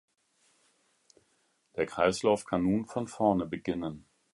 Der Kreislauf kann nun von vorne beginnen.